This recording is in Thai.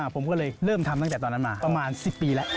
ผมก็เลยเริ่มทำตั้งแต่ตอนนั้นมาประมาณ๑๐ปีแล้ว